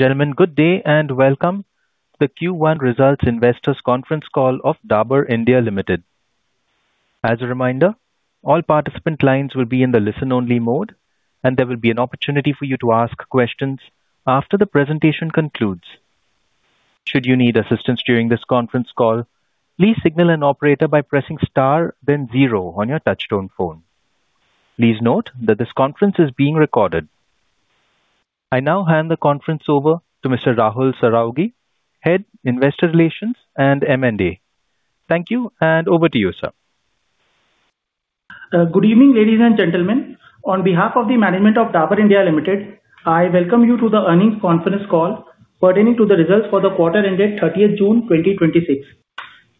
Gentlemen, good day and welcome to the Q1 Results Investors Conference Call of Dabur India Limited. As a reminder, all participant lines will be in the listen-only mode and there will be an opportunity for you to ask questions after the presentation concludes. Should you need assistance during this conference call, please signal an operator by pressing star then zero on your touchtone phone. Please note that this conference is being recorded. I now hand the conference over to Mr. Rahul Saraogi, Head, Investor Relations and M&A. Thank you, and over to you, sir. Good evening, ladies and gentlemen. On behalf of the management of Dabur India Limited, I welcome you to the earnings conference call pertaining to the results for the quarter ended June 30th, 2026.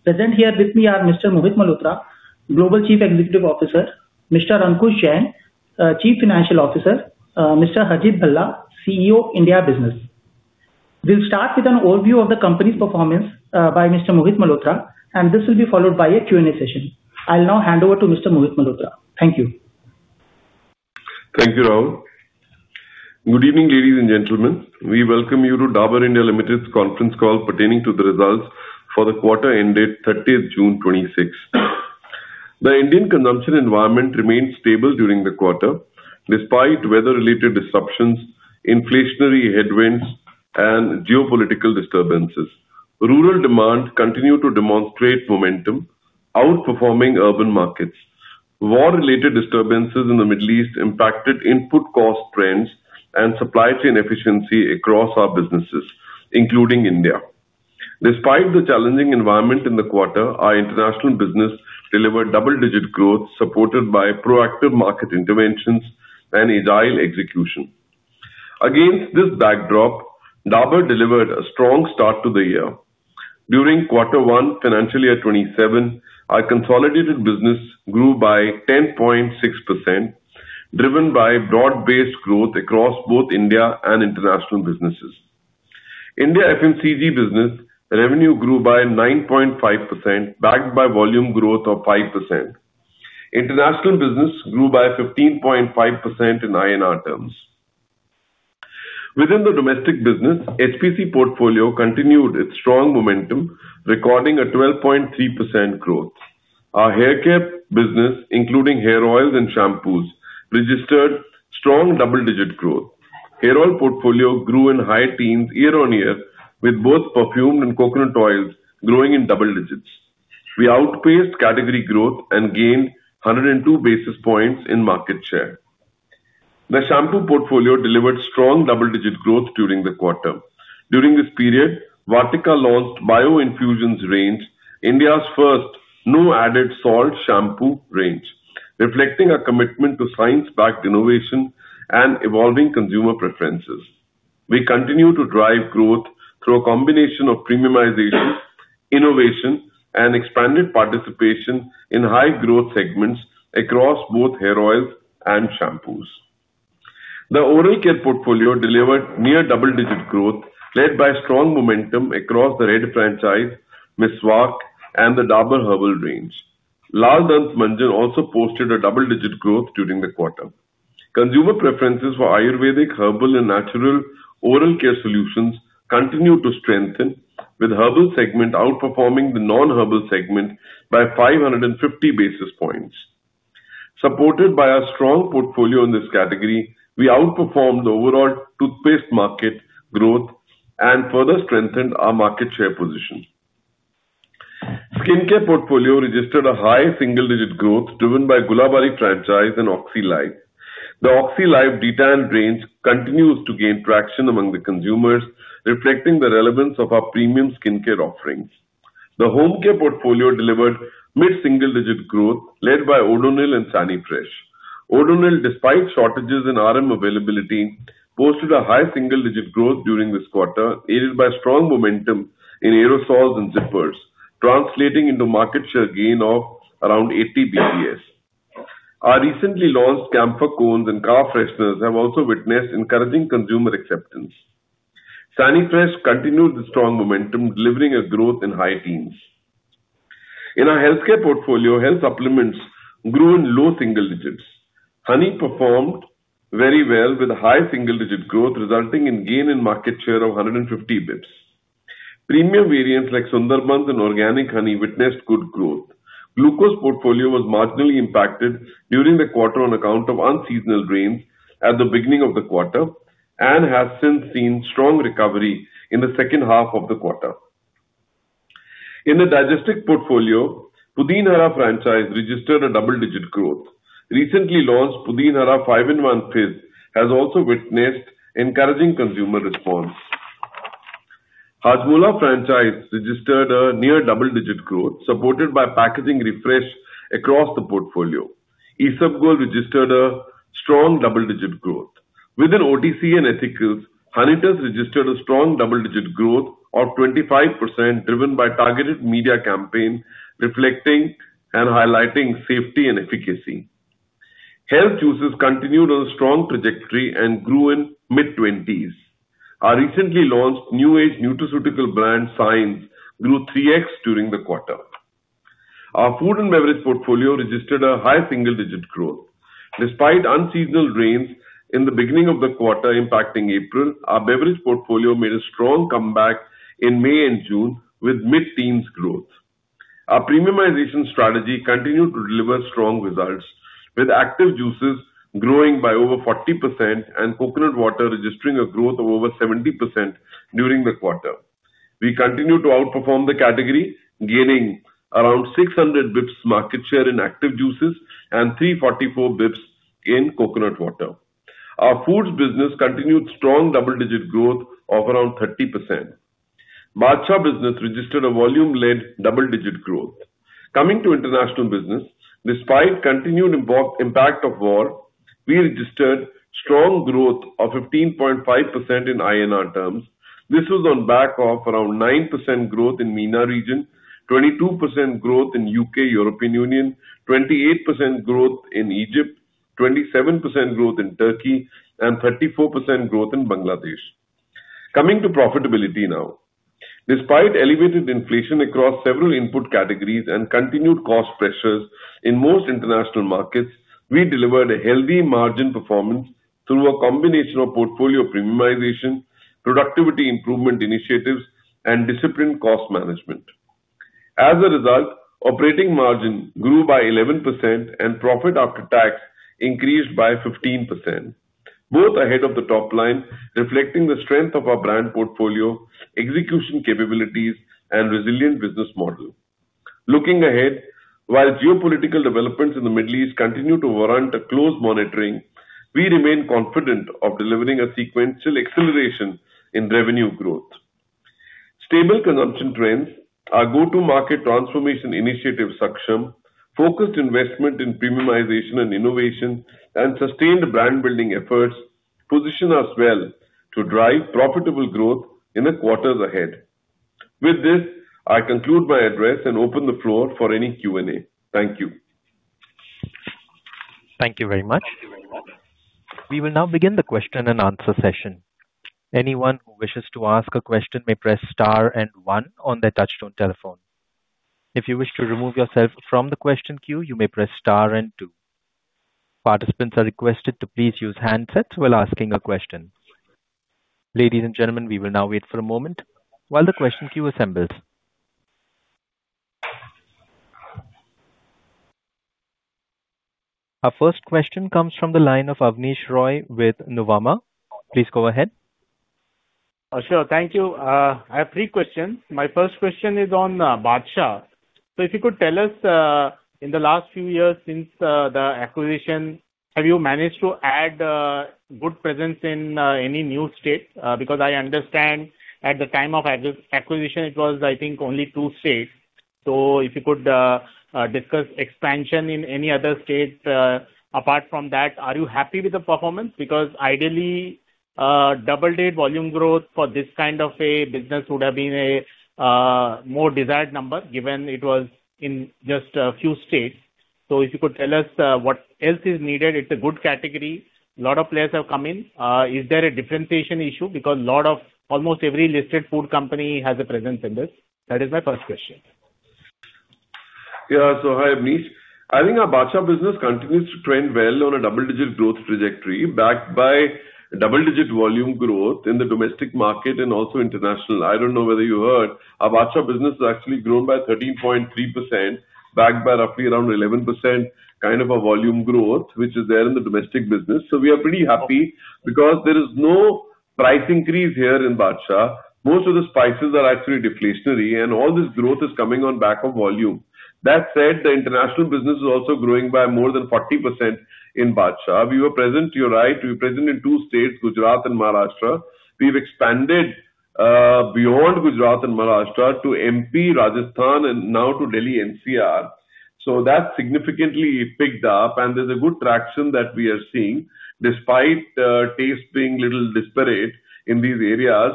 Present here with me are Mr. Mohit Malhotra, Global Chief Executive Officer, Mr. Ankush Jain, Chief Financial Officer, Mr. Herjit Bhalla, Chief Executive Officer, India Business. We'll start with an overview of the company's performance by Mr. Mohit Malhotra, and this will be followed by a question-and-answer session. I'll now hand over to Mr. Mohit Malhotra. Thank you. Thank you, Rahul. Good evening, ladies and gentlemen. We welcome you to Dabur India Limited's conference call pertaining to the results for the quarter ended 30th June 2026. The Indian consumption environment remained stable during the quarter, despite weather-related disruptions, inflationary headwinds, and geopolitical disturbances. Rural demand continued to demonstrate momentum, outperforming urban markets. War-related disturbances in the Middle East impacted input cost trends and supply chain efficiency across our businesses, including India. Despite the challenging environment in the quarter, our international business delivered double-digit growth, supported by proactive market interventions and agile execution. Against this backdrop, Dabur delivered a strong start to the year. During quarter one financial year 2027, our consolidated business grew by 10.6%, driven by broad-based growth across both India and international businesses. India FMCG business revenue grew by 9.5%, backed by volume growth of 5%. International business grew by 15.5% in INR terms. Within the domestic business, HPC portfolio continued its strong momentum, recording a 12.3% growth. Our hair care business, including hair oils and shampoos, registered strong double-digit growth. Hair oil portfolio grew in high teens year-on-year, with both perfumed and coconut oils growing in double digits. We outpaced category growth and gained 102 basis points in market share. The shampoo portfolio delivered strong double-digit growth during the quarter. During this period, Vatika launched Bio Infusions range, India's first no added salt shampoo range, reflecting a commitment to science-backed innovation and evolving consumer preferences. We continue to drive growth through a combination of premiumization, innovation, and expanded participation in high-growth segments across both hair oils and shampoos. The oral care portfolio delivered near double-digit growth, led by strong momentum across the Red franchise, Meswak, and the Dabur herbal range. Lal Dant Manjan also posted a double-digit growth during the quarter. Consumer preferences for Ayurvedic, herbal, and natural oral care solutions continue to strengthen, with herbal segment outperforming the non-herbal segment by 550 basis points. Supported by our strong portfolio in this category, we outperformed the overall toothpaste market growth and further strengthened our market share position. Skincare portfolio registered a high single-digit growth driven by Gulabari franchise and OxyLife. The OxyLife detailed range continues to gain traction among the consumers, reflecting the relevance of our premium skincare offerings. The home care portfolio delivered mid-single digit growth led by Odonil and Sanifresh. Odonil, despite shortages in RM availability, posted a high single-digit growth during this quarter, aided by strong momentum in aerosols and zippers, translating into market share gain of around 80 basis points. Our recently launched camphor cones and car fresheners have also witnessed encouraging consumer acceptance. Sanifresh continued the strong momentum, delivering a growth in high teens. In our healthcare portfolio, health supplements grew in low single digits. Honey performed very well, with high single-digit growth resulting in gain in market share of 150 basis points. Premium variants like Sundarbans and Organic Honey witnessed good growth. Glucose portfolio was marginally impacted during the quarter on account of unseasonal rains at the beginning of the quarter and has since seen strong recovery in the second half of the quarter. In the digestive portfolio, Pudin Hara franchise registered a double-digit growth. Recently launched Pudin Hara 5-in-1 Fizz has also witnessed encouraging consumer response. Hajmola franchise registered a near double-digit growth supported by packaging refresh across the portfolio. Isabgol registered a strong double-digit growth. Within OTC and ethicals, Honitus registered a strong double-digit growth of 25%, driven by targeted media campaign reflecting and highlighting safety and efficacy. Health juices continued on a strong trajectory and grew in mid-20s. Our recently launched new age nutraceutical brand, Siens, grew 3x during the quarter. Our food and beverage portfolio registered a high single-digit growth. Despite unseasonal rains in the beginning of the quarter impacting April, our beverage portfolio made a strong comeback in May and June with mid-teens growth. Our premiumization strategy continued to deliver strong results, with active juices growing by over 40% and coconut water registering a growth of over 70% during the quarter. We continued to outperform the category, gaining around 600 basis points market share in active juices and 344 basis points in coconut water. Our foods business continued strong double-digit growth of around 30%. Badshah business registered a volume-led double-digit growth. Coming to international business, despite continued impact of war, we registered strong growth of 15.5% in INR terms. This was on back of around 9% growth in MENA region, 22% growth in U.K., European Union, 28% growth in Egypt, 27% growth in Turkey, and 34% growth in Bangladesh. Coming to profitability now. Despite elevated inflation across several input categories and continued cost pressures in most international markets, we delivered a healthy margin performance through a combination of portfolio premiumization, productivity improvement initiatives, and disciplined cost management. As a result, operating margin grew by 11% and profit after tax increased by 15%, both ahead of the top line, reflecting the strength of our brand portfolio, execution capabilities, and resilient business model. Looking ahead, while geopolitical developments in the Middle East continue to warrant a close monitoring, we remain confident of delivering a sequential acceleration in revenue growth. Stable consumption trends, our go-to-market transformation initiative, Saksham, focused investment in premiumization and innovation, and sustained brand building efforts, position us well to drive profitable growth in the quarters ahead. With this, I conclude my address and open the floor for any question-and-answer. Thank you. Thank you very much. We will now begin the question-and-answer session. Anyone who wishes to ask a question may press star and one on their touchtone telephone. If you wish to remove yourself from the question queue, you may press star and two. Participants are requested to please use handsets while asking a question. Ladies and gentlemen, we will now wait for a moment while the question queue assembles. Our first question comes from the line of Abneesh Roy with Nuvama Institutional Equities. Please go ahead. Sure. Thank you. I have three questions. My first question is on Badshah. If you could tell us, in the last few years since the acquisition, have you managed to add good presence in any new state? Because I understand at the time of acquisition, it was, I think, only two states. If you could discuss expansion in any other states. Apart from that, are you happy with the performance? Because ideally, double-digit volume growth for this kind of a business would have been a more desired number, given it was in just a few states. If you could tell us what else is needed. It is a good category. A lot of players have come in. Is there a differentiation issue? Because almost every listed food company has a presence in this. That is my first question. Hi, Abneesh. I think our Badshah business continues to trend well on a double-digit growth trajectory, backed by double-digit volume growth in the domestic market and also international. I do not know whether you heard, our Badshah business has actually grown by 13.3%, backed by roughly around 11% kind of a volume growth, which is there in the domestic business. We are pretty happy because there is no price increase here in Badshah. Most of the spices are actually deflationary, and all this growth is coming on back of volume. That said, the international business is also growing by more than 40% in Badshah. You are right, we were present in two states, Gujarat and Maharashtra. We have expanded beyond Gujarat and Maharashtra to MP, Rajasthan, and now to Delhi NCR. That significantly picked up, there's a good traction that we are seeing despite taste being a little disparate in these areas.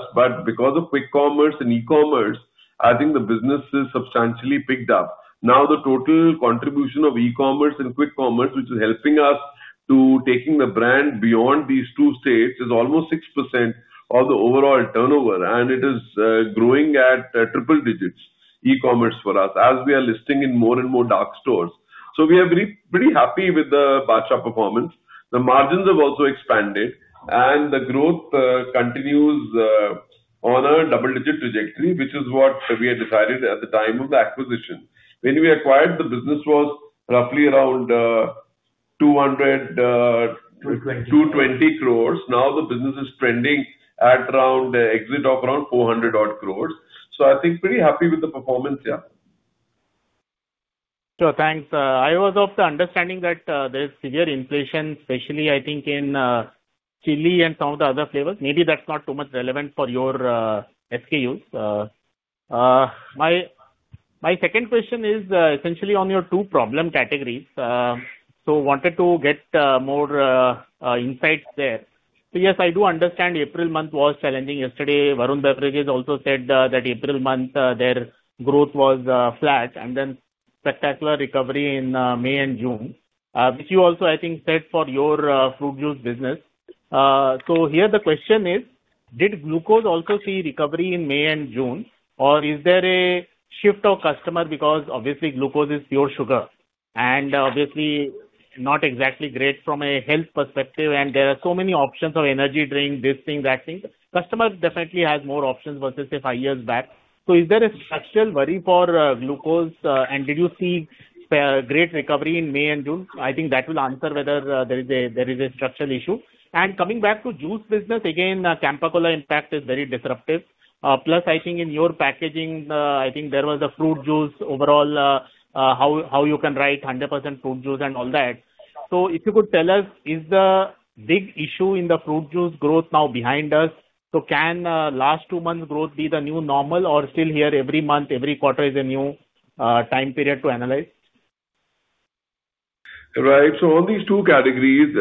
Because of quick commerce and e-commerce, I think the business has substantially picked up. The total contribution of e-commerce and quick commerce, which is helping us to taking the brand beyond these two states, is almost 6% of the overall turnover, and it is growing at triple digits, e-commerce for us, as we are listing in more and more dark stores. We are pretty happy with the Badshah performance. The margins have also expanded, and the growth continues on a double-digit trajectory, which is what we had decided at the time of the acquisition. When we acquired, the business was roughly around 220 crore. The business is trending at around exit of around 400 crore. I think pretty happy with the performance. Sure. Thanks. I was of the understanding that there is severe inflation, especially I think in chili and some of the other flavors. Maybe that's not too much relevant for your SKUs. My second question is essentially on your two problem categories. Wanted to get more insights there. Yes, I do understand April month was challenging. Yesterday, Varun Beverages also said that April month, their growth was flat and then spectacular recovery in May and June, which you also, I think, said for your fruit juice business. Here the question is Did glucose also see recovery in May and June, or is there a shift of customer because obviously glucose is pure sugar, and obviously not exactly great from a health perspective, and there are so many options of energy drink, this thing, that thing. Customer definitely has more options versus, say, five years back. Is there a structural worry for glucose, and did you see great recovery in May and June? I think that will answer whether there is a structural issue. Coming back to juice business, again, Campa Cola, in fact, is very disruptive. Plus, I think in your packaging, I think there was a fruit juice overall, how you can write 100% fruit juice and all that. If you could tell us is the big issue in the fruit juice growth now behind us? Can last two months growth be the new normal or still here every month, every quarter is a new time period to analyze? Right. On these two categories,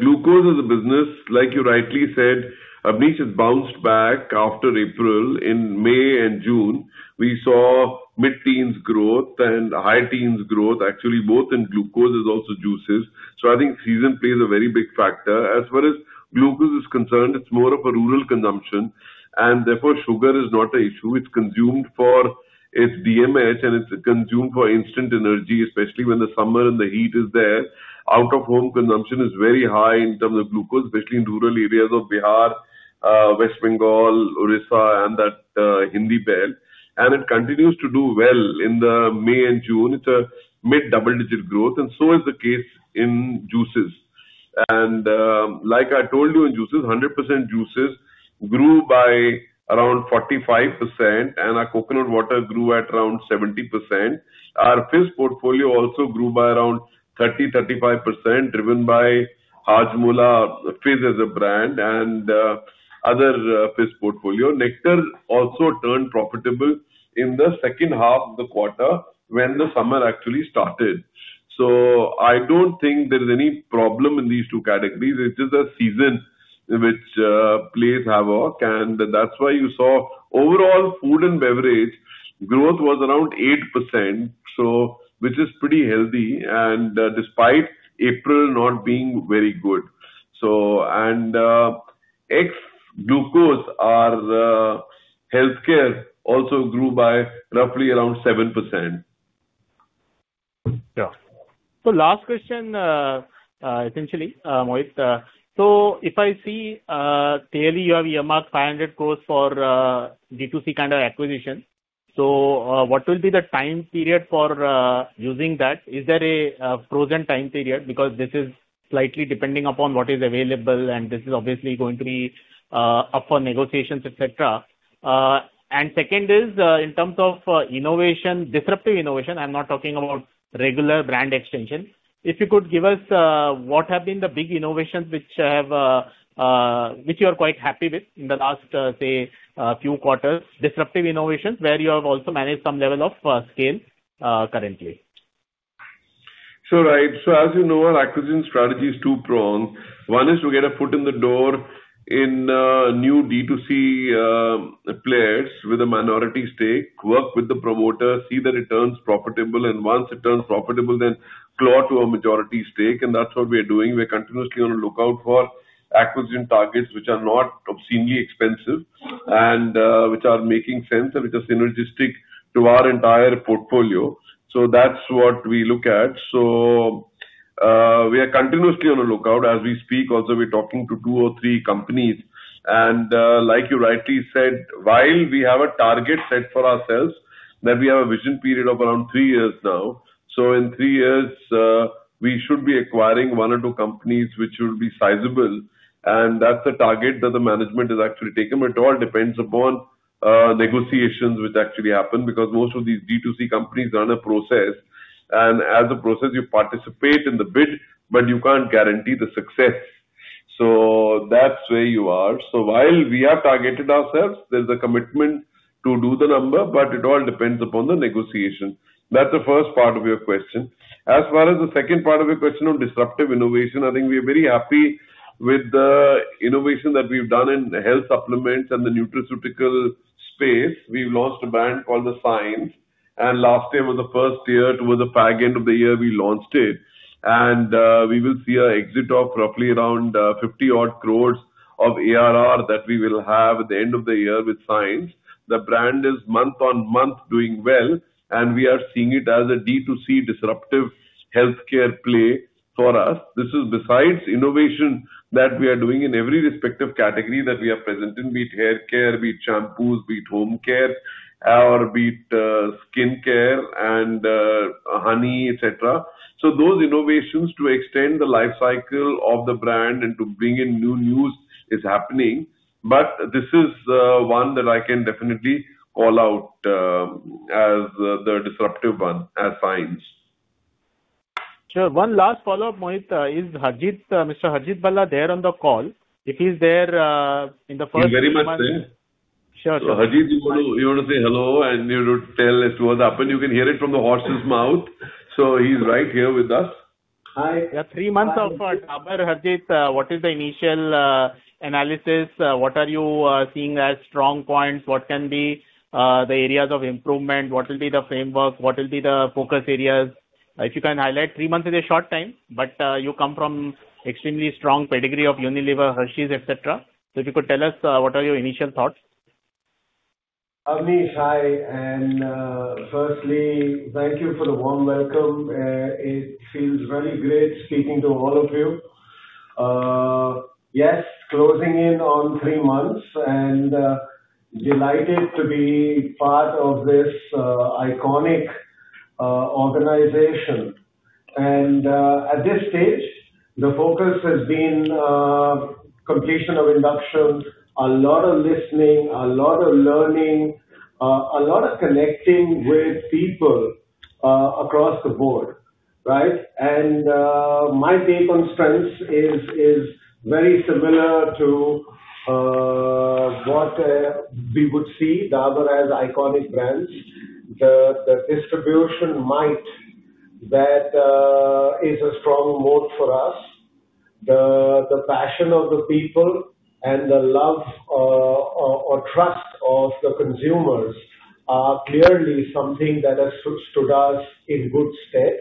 glucose is a business, like you rightly said, Abneesh, it bounced back after April. In May and June, we saw mid-teens growth and high teens growth, actually, both in glucose is also juices. I think season plays a very big factor. As far as glucose is concerned, it's more of a rural consumption, and therefore sugar is not an issue. It's consumed for its BMH and it's consumed for instant energy, especially when the summer and the heat is there. Out-of-home consumption is very high in terms of glucose, especially in rural areas of Bihar, West Bengal, Odisha, and that Hindi belt. It continues to do well. In the May and June, it's a mid-double-digit growth, and so is the case in juices. Like I told you, in juices, 100% juices grew by around 45%, and our coconut water grew at around 70%. Our fizz portfolio also grew by around 30%, 35%, driven by Hajmola Fizz as a brand and other Fizz portfolio. Nectar also turned profitable in the second half of the quarter when the summer actually started. I don't think there's any problem in these two categories. It is a season which plays havoc, and that's why you saw overall food and beverage growth was around 8%, which is pretty healthy, and despite April not being very good. Ex-glucose, our healthcare also grew by roughly around 7%. Sure. Last question, essentially, Mohit. If I see, clearly you have earmarked 500 crore for D2C kind of acquisition. What will be the time period for using that? Is there a frozen time period? Because this is slightly depending upon what is available, and this is obviously going to be up for negotiations, et cetera. Second is in terms of disruptive innovation, I'm not talking about regular brand extension. If you could give us what have been the big innovations which you're quite happy with in the last, say, few quarters, disruptive innovations, where you have also managed some level of scale currently. Right. As you know, our acquisition strategy is two-pronged. One is to get a foot in the door in new D2C players with a minority stake, work with the promoter, see that it turns profitable, and once it turns profitable, then claw to a majority stake. That's what we're doing. We're continuously on a lookout for acquisition targets which are not obscenely expensive and which are making sense, and which are synergistic to our entire portfolio. That's what we look at. We are continuously on a lookout. As we speak, also, we're talking to two or three companies. Like you rightly said, while we have a target set for ourselves, that we have a vision period of around three years now. In three years, we should be acquiring one or two companies which will be sizable, and that's the target that the management has actually taken. It all depends upon negotiations which actually happen, because most of these D2C companies are on a process, and as a process, you participate in the bid, but you can't guarantee the success. That's where you are. While we have targeted ourselves, there's a commitment to do the number, but it all depends upon the negotiation. That's the first part of your question. As far as the second part of your question on disruptive innovation, I think we are very happy with the innovation that we've done in health supplements and the nutraceutical space. We've launched a brand called the Siens, and last year was the first year. Towards the back end of the year, we launched it, we will see an exit of roughly around 50-odd crore of ARR that we will have at the end of the year with Siens. The brand is month-on-month doing well, and we are seeing it as a D2C disruptive healthcare play for us. This is besides innovation that we are doing in every respective category that we are present in, be it haircare, be it shampoos, be it home care, or be it skincare and honey, et cetera. Those innovations to extend the life cycle of the brand and to bring in new news is happening. This is one that I can definitely call out as the disruptive one, as Siens. Sure. One last follow-up, Mohit. Is Mr. Herjit Bhalla there on the call? If he's there in the first two months- He's very much there. Sure. Herjit, you want to say hello, and you want to tell us what happened? You can hear it from the horse's mouth. He's right here with us. Hi. Three months of Dabur, Herjit, what is the initial analysis? What are you seeing as strong points? What can be the areas of improvement? What will be the framework? What will be the focus areas? If you can highlight three months is a short time, but you come from extremely strong pedigree of Unilever, Hershey's, et cetera. If you could tell us what are your initial thoughts. Abneesh, hi. Firstly, thank you for the warm welcome. It feels very great speaking to all of you. Yes, closing in on three months, and delighted to be part of this iconic organization. At this stage, the focus has been completion of induction, a lot of listening, a lot of learning, a lot of connecting with people across the board, right? My take on strengths is very similar to what we would see Dabur as iconic brands. The distribution might that is a strong moat for us. The passion of the people and the love or trust of the consumers are clearly something that has stood us in good stead.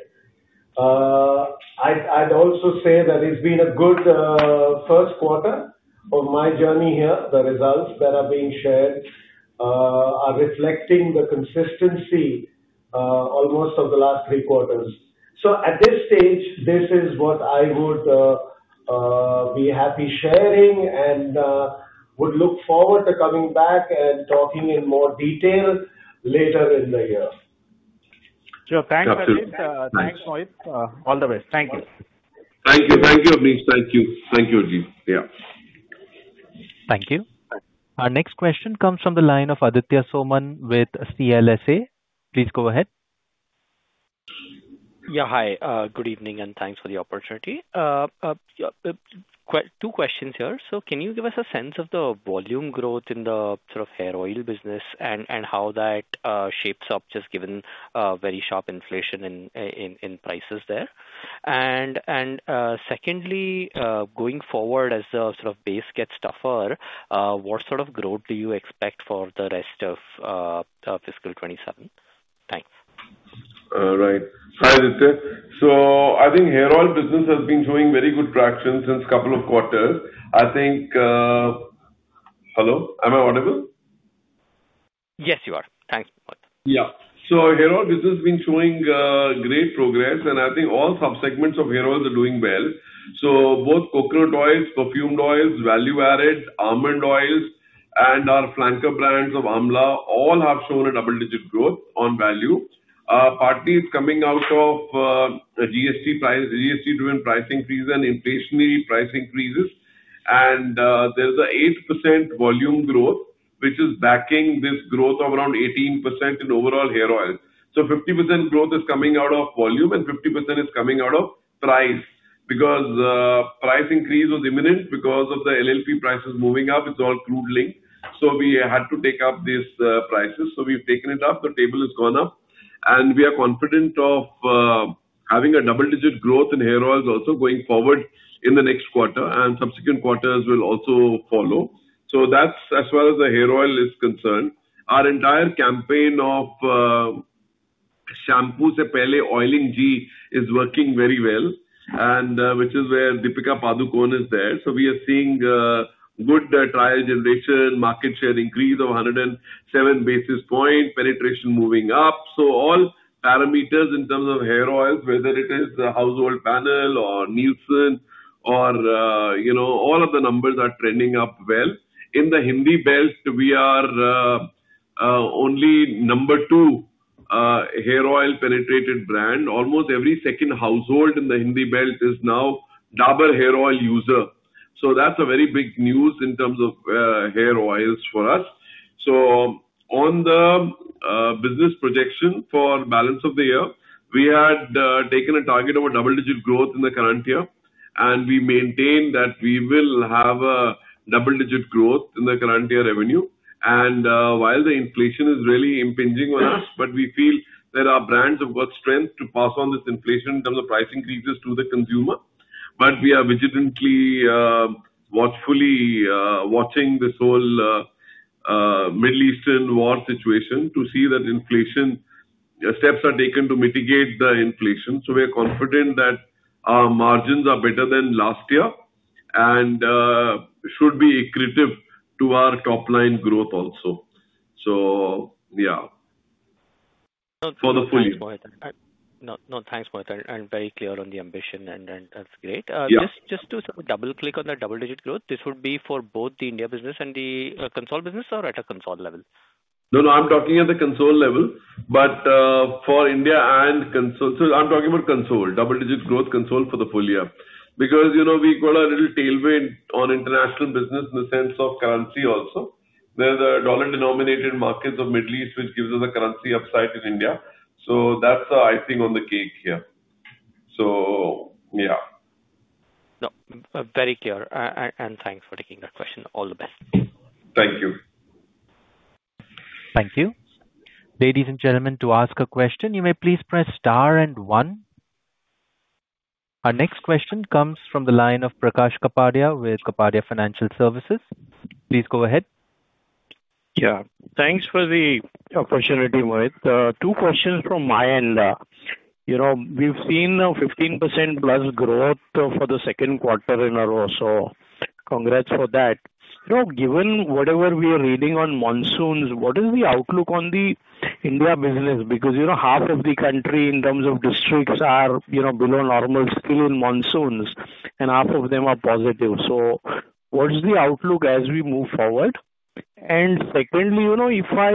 I'd also say that it's been a good first quarter of my journey here. The results that are being shared are reflecting the consistency almost of the last three quarters. At this stage, this is what I would be happy sharing, and would look forward to coming back and talking in more detail later in the year. Sure. Thanks, Mohit. All the best. Thank you. Thank you, Abneesh. Thank you. Thank you. Our next question comes from the line of Aditya Soman with CLSA. Please go ahead. Yeah. Hi, good evening, thanks for the opportunity. Two questions here. Can you give us a sense of the volume growth in the hair oil business and how that shapes up, just given very sharp inflation in prices there? Secondly, going forward as the base gets tougher, what sort of growth do you expect for the rest of fiscal 2027? Thanks. All right. Hi, Aditya. I think hair oil business has been showing very good traction since couple of quarters. I think Hello, am I audible? Yes, you are. Thanks, Mohit. Yeah. Hair oil business has been showing great progress, I think all sub-segments of hair oils are doing well. Both coconut oils, perfumed oils, value-added, almond oils, and our flanker brands of Amla all have shown a double-digit growth on value. Partly it's coming out of GST-driven pricing fees and inflationary price increases. There's a 8% volume growth, which is backing this growth of around 18% in overall hair oils. 50% growth is coming out of volume and 50% is coming out of price, because price increase was imminent because of the LLP prices moving up. It's all crude linked. We had to take up these prices. We've taken it up, the table has gone up, we are confident of having a double-digit growth in hair oils also going forward in the next quarter, and subsequent quarters will also follow. That's as well as the hair oil is concerned. Our entire campaign of, "Shampoo se pehle oiling," is working very well, and which is where Deepika Padukone is there. We are seeing good trial generation, market share increase of 107 basis points, penetration moving up. All parameters in terms of hair oils, whether it is the household panel or Nielsen or-- All of the numbers are trending up well. In the Hindi belt, we are only number 2 hair oil penetrated brand. Almost every second household in the Hindi belt is now Dabur hair oil user. That's a very big news in terms of hair oils for us. On the business projection for balance of the year, we had taken a target of a double-digit growth in the current year, we maintain that we will have a double-digit growth in the current year revenue. While the inflation is really impinging on us, we feel that our brands have got strength to pass on this inflation in terms of price increases to the consumer. We are vigilantly, watchfully watching this whole Middle Eastern war situation to see that steps are taken to mitigate the inflation. We are confident that our margins are better than last year and should be accretive to our top-line growth also. For the full year. Thanks, Mohit. I'm very clear on the ambition, that's great. Yeah. Just to double-click on that double-digit growth, this would be for both the India business and the console business or at a console level? I'm talking at the console level, for India and console. I'm talking about console, double-digit growth console for the full year. We got a little tailwind on international business in the sense of currency also. There's a dollar-denominated markets of Middle East, which gives us a currency upside in India. That's the icing on the cake here. No, very clear. Thanks for taking that question. All the best. Thank you. Thank you. Ladies and gentlemen, to ask a question, you may please press star and one. Our next question comes from the line of Prakash Kapadia with Kapadia Financial Services. Please go ahead. Yeah. Thanks for the opportunity, Mohit. Two questions from my end. We've seen a 15%+ growth for the second quarter in a row, congrats for that. Half of the country in terms of districts are below normal still in monsoons, and half of them are positive. What is the outlook as we move forward? Secondly, if I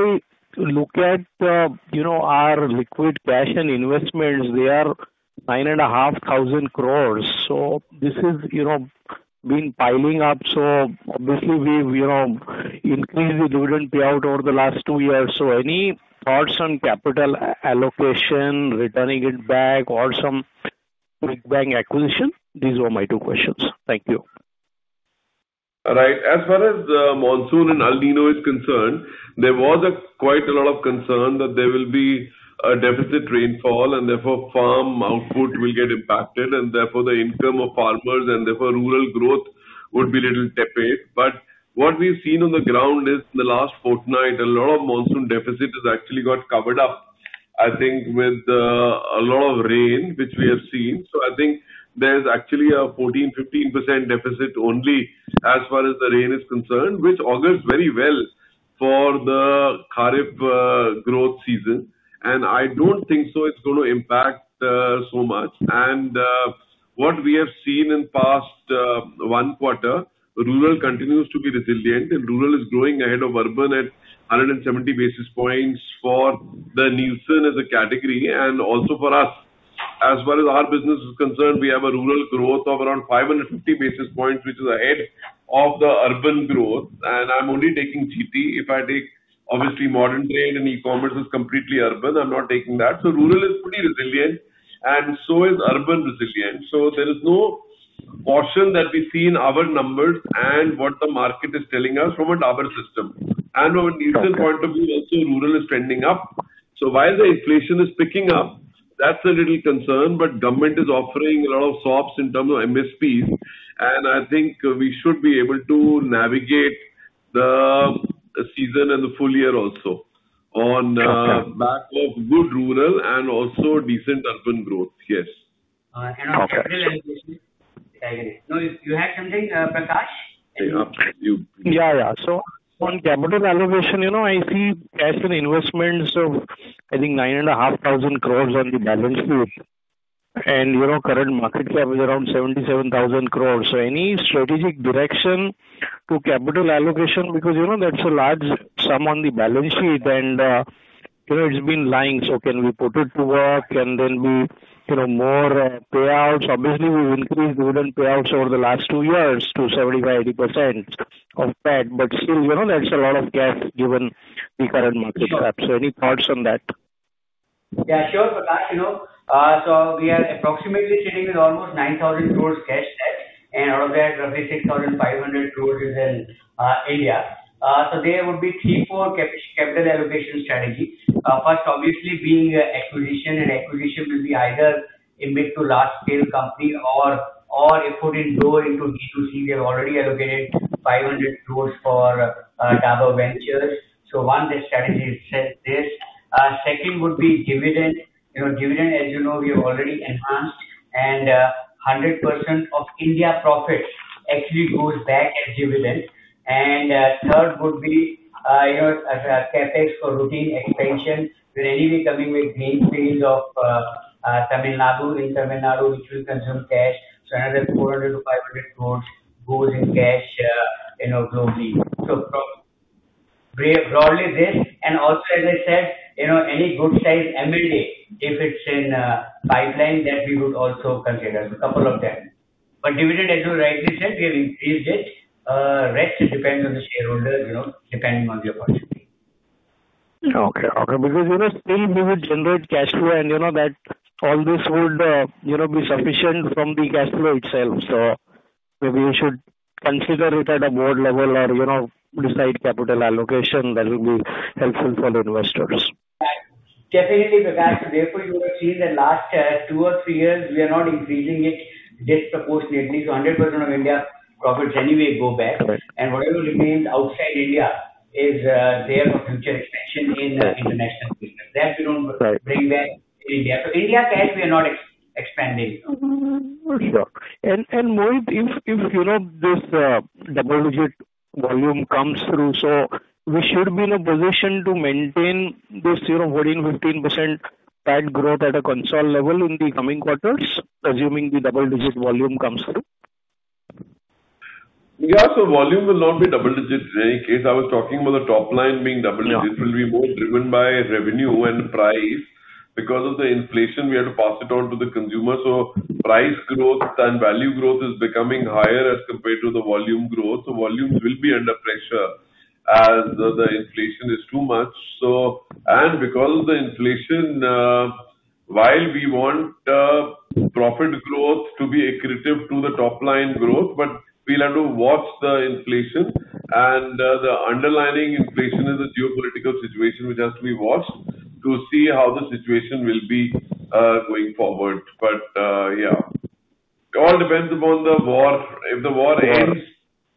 look at our liquid cash and investments, they are 9,500 crore. This has been piling up. Obviously we've increased the dividend payout over the last two years. Any thoughts on capital allocation, returning it back or some big bang acquisition? These are my two questions. Thank you. As far as monsoon and El Niño is concerned, there was quite a lot of concern that there will be a deficit rainfall and therefore farm output will get impacted and therefore the income of farmers and therefore rural growth would be little tepid. What we've seen on the ground is in the last fortnight, a lot of monsoon deficit has actually got covered up, I think with a lot of rain, which we have seen. I think there's actually a 14%, 15% deficit only as far as the rain is concerned, which augurs very well for the Kharif growth season, and I don't think so it's going to impact so much. What we have seen in past one quarter, rural continues to be resilient and rural is growing ahead of urban at 170 basis points for the Nielsen as a category, and also for us. As well as our business is concerned, we have a rural growth of around 550 basis points, which is ahead of the urban growth. I'm only taking GT. If I take, obviously, modern trade and e-commerce is completely urban. I'm not taking that. Rural is pretty resilient and so is urban resilient. There is no portion that we see in our numbers and what the market is telling us from a Dabur system. Our Nielsen point of view, also rural is trending up. While the inflation is picking up, that's a little concern, government is offering a lot of sops in terms of MSPs, and I think we should be able to navigate the season and the full year also on- Okay back of good rural and also decent urban growth. Yes. On capital allocation. You had something, Prakash? Yeah. After you. On capital allocation, I see cash and investments of, I think, 9,500 crore on the balance sheet. Current market cap is around 77,000 crore. Any strategic direction to capital allocation? Because that's a large sum on the balance sheet, and it's been lying. Can we put it to work? Can there be more payouts? Obviously, we've increased dividend payouts over the last two years to 75%-80% of that, but still, that's a lot of cash given the current market cap. Any thoughts on that? Sure, Prakash. We are approximately sitting with almost 9,000 crore cash debt, and out of that, roughly 6,500 crore is in India. There would be three, four capital allocation strategy. First, obviously, being acquisition. Acquisition will be either a mid to large scale company or a foot in door into D2C. We have already allocated 500 crore for Dabur Ventures. One, the strategy is this. Second would be dividend. Dividend, as you know, we have already enhanced and 100% of India profits actually goes back as dividend. Third would be CAPEX for routine expansion. We're anyway coming with greenfields of Tamil Nadu. In Tamil Nadu, which will consume cash. Another 400-500 crore goes in cash globally. Broadly this, and also, as I said, any good size M&A, if it's in pipeline, that we would also consider. Couple of them. Dividend, as you rightly said, we have increased it. Rest depends on the shareholder, depending on the opportunity. Okay. Because still we would generate cash flow and all this would be sufficient from the cash flow itself. Maybe you should consider it at a board level or decide capital allocation that will be helpful for investors. Definitely, Prakash. Therefore, you would have seen that last two or three years, we are not increasing it disproportionately. 100% of India profits anyway go back. Right. Whatever remains outside India is there for future expansion in international business. That we don't- Right bring back to India. India cash, we are not expanding. Sure. Mohit, if this double-digit volume comes through, we should be in a position to maintain this 14%-15% PAT growth at a consolidated level in the coming quarters, assuming the double-digit volume comes through? Yeah, volume will not be double-digit in any case. I was talking about the top line being double-digit. Yeah. It will be more driven by revenue and price. Because of the inflation, we had to pass it on to the consumer. Price growth and value growth is becoming higher as compared to the volume growth. Volumes will be under pressure as the inflation is too much. Because of the inflation, while we want profit growth to be accretive to the top line growth, but we'll have to watch the inflation, and the underlying inflation is a geopolitical situation which has to be watched to see how the situation will be going forward. Yeah. It all depends upon the war. If the war ends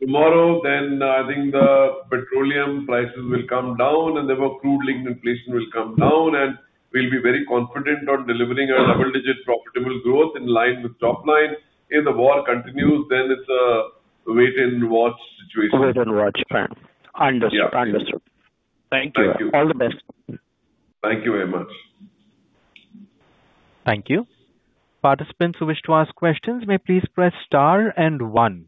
tomorrow, then I think the petroleum prices will come down, and therefore crude linked inflation will come down, and we'll be very confident on delivering a double-digit profitable growth in line with top line. If the war continues, then it's a wait and watch situation. Wait and watch. Understood. Yeah. Understood. Thank you. Thank you. All the best. Thank you very much. Thank you. Participants who wish to ask questions may please press star and one.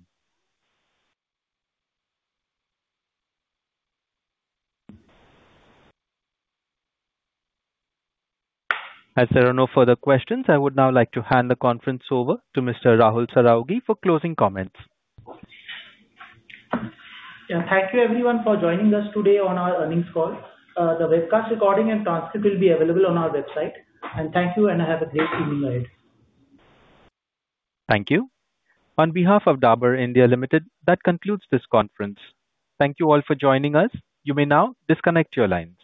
As there are no further questions, I would now like to hand the conference over to Mr. Rahul Saraogi for closing comments. Yeah, thank you everyone for joining us today on our earnings call. The webcast recording and transcript will be available on our website. Thank you and have a great evening ahead. Thank you. On behalf of Dabur India Limited, that concludes this conference. Thank you all for joining us. You may now disconnect your line.